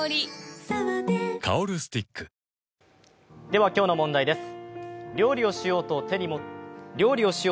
では今日の問題です。